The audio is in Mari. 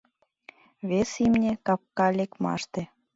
Вес имне — капка лекмаште.